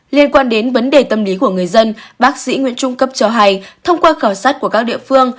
liên quan đến vấn đề tâm lý của người dân bác sĩ nguyễn trung cấp cho hay thông qua khảo sát của các địa phương